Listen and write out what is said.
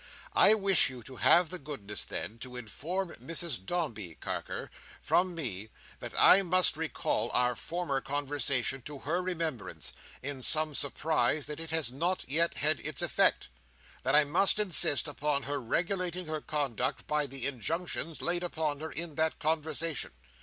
"I wish you to have the goodness, then, to inform Mrs Dombey, Carker, from me, that I must recall our former conversation to her remembrance, in some surprise that it has not yet had its effect. That I must insist upon her regulating her conduct by the injunctions laid upon her in that conversation.